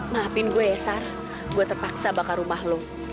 maafin gue ya sar gue terpaksa bakal rumah lo